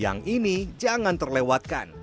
yang ini jangan terlewatkan